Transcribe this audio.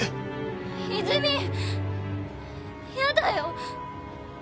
泉やだよ。